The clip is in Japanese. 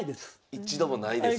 一度もないですか？